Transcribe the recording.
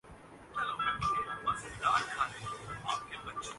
آنکھ کے بدلے آنکھ کے اصول پر اعتبار کرتا ہوں